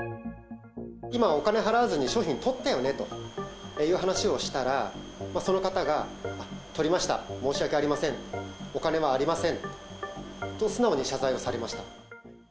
今、お金払わずに商品とったよねという話をしたら、その方が、とりました、申し訳ありません、お金はありませんと素直に謝罪をされました。